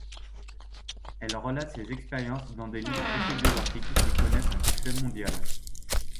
Elle relate ses expériences dans des livres autobiographiques qui connaissent un succès mondial.